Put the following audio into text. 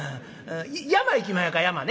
山行きまひょか山ね。